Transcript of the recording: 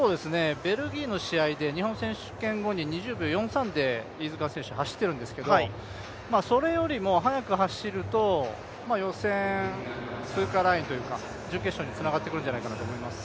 ベルギーの試合で日本選手権後に２０秒４３で飯塚選手走っているんですけれどもそれよりも速く走ると予選通過ラインというか、準決勝につながってくるんじゃないかなと思います。